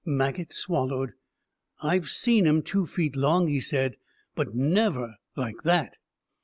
Maget swallowed. "I've seen 'em two feet long," he said. "But never like that."